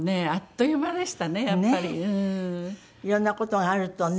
いろんな事があるとね。